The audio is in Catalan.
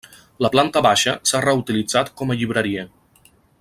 La planta baixa s'ha reutilitzat com a llibreria.